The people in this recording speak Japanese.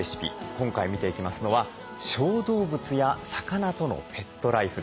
今回見ていきますのは小動物や魚とのペットライフです。